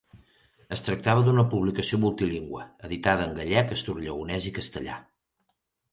Es tractava d'una publicació multilingüe, editada en gallec, asturlleonès i castellà.